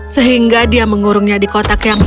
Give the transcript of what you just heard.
sehingga dia mengurungnya di kotak yang sama